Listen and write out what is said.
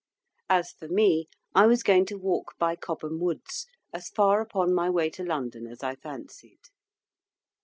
As for me, I was going to walk by Cobham Woods, as far upon my way to London as I fancied.